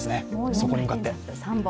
そこに向かって！